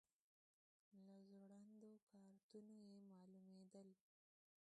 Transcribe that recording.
له ځوړندو کارتونو یې معلومېدل.